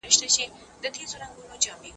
موږ نه پوهیږو چې معافیت به څومره وخت وي.